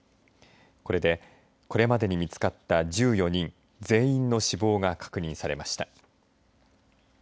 これでこれまでに見つかった１４人全員の死亡が確認されました。